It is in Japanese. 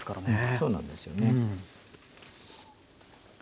そうなんですよね。